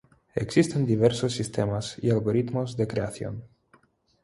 Existen diversos sistemas y algoritmos de creación.